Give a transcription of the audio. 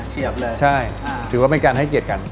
เฉียบเลยอเจมส์ใช่ถือว่าเป็นการให้เกลียดกัน